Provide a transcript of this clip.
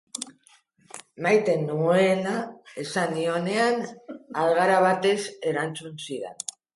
Maite nuela esan nionean, algara batez erantzun zidan.